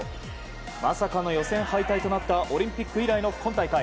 まさかの予選敗退となったオリンピック以来の今大会。